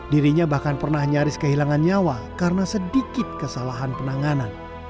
dirinya bahkan pernah nyaris kehilangan nyawa karena sedikit kesalahan penanganan